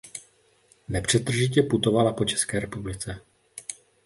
Nepřetržitě putovala po České republice.